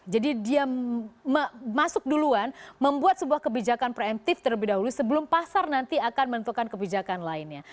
jadi dia masuk duluan membuat sebuah kebijakan preemptif terlebih dahulu sebelum pasar nanti akan menentukan kebijakan lainnya